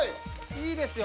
いいですよ。